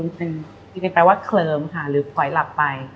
จริงแปลว่าเคลิมค่ะหรือปล่อยหลับไป